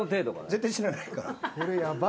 絶対死なないから。